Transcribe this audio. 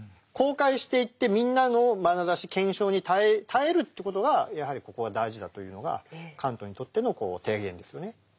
公開していってみんなのまなざし検証に耐えるって事がやはりここは大事だというのがカントにとっての提言ですよね。